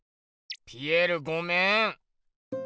ピエールごめん。